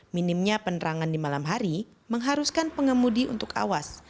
minimnya penerangan di malam hari mengharuskan pengemudi untuk awas